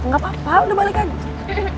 gapapa udah balik aja